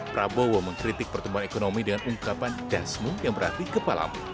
prabowo mengkritik pertumbuhan ekonomi dengan ungkapan dasmu yang berarti kepalamu